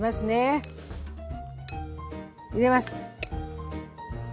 入れます。